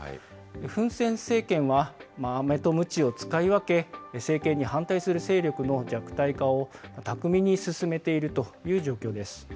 フン・セン政権は、アメとムチを使い分け、政権に反対する勢力の弱体化を巧みに進めているという状況です。